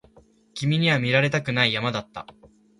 君には見られたくない山だった